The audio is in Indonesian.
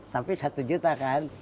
tapi satu juta kan